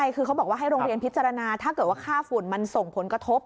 ใช่คือเขาบอกว่าให้โรงเรียนพิจารณาถ้าเกิดว่าค่าฝุ่นมันส่งผลกระทบ